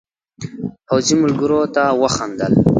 پوځي ملګرو ته وخندل.